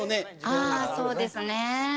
そうですね。